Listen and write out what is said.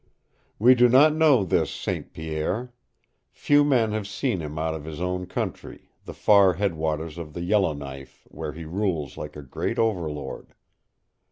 "We do not know this St. Pierre. Few men have seen him out of his own country, the far headwaters of the Yellowknife, where he rules like a great overlord.